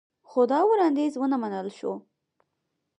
خو دا وړاندیز ونه منل شو